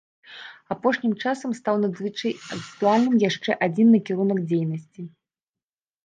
Апошнім часам стаў надзвычай актуальным яшчэ адзін накірунак дзейнасці.